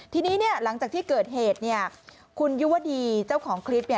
ทีนี้เนี่ยหลังจากที่เกิดเหตุเนี่ยคุณยุวดีเจ้าของคลิปเนี่ย